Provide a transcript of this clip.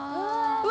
うわ！